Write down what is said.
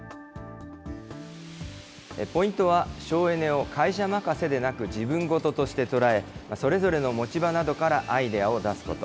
ポイントは、省エネを会社任せでなく、自分事として捉え、それぞれの持ち場などからアイデアを出すこと。